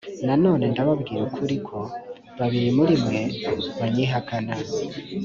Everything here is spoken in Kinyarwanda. nanone ndababwira ukuri ko babiri muri mwe banyihakana